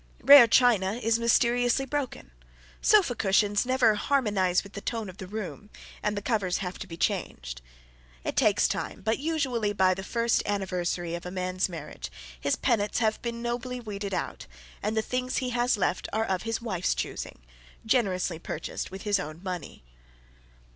Rare china is mysteriously broken. Sofa cushions never "harmonise with the tone of the room," and the covers have to be changed. It takes time, but usually by the first anniversary of a man's marriage, his penates have been nobly weeded out, and the things he has left are of his wife's choosing, generously purchased with his own money.